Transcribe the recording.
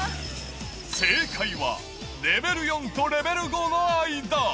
正解はレベル４とレベル５の間。